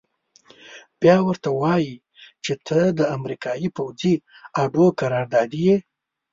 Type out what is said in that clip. بيا ورته وايي چې ته د امريکايي پوځي اډو قراردادي يې.